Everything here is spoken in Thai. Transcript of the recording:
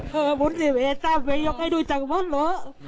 ผมจะเล็กซ้ำให้ดูขึ้นด้วยละ